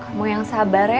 kamu yang sabar ya